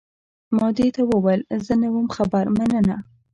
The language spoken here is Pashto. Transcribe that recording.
ما دې ته وویل، زه نه وم خبر، مننه.